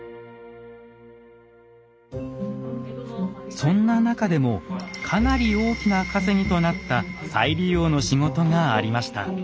そんな中でもかなり大きな稼ぎとなった再利用の仕事がありました。